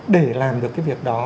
để làm được cái việc đó